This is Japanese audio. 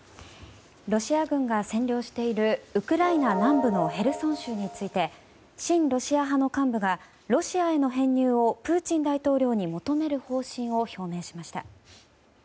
ロシア軍が占領しているウクライナ南部のへルソン州について親ロシア派の幹部がロシアへの編入をプーチン大統領に求める方針を表明しました。